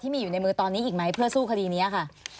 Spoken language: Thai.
มีอยู่ในมือตอนนี้อีกไหมเพื่อสู้คดีนี้ค่ะ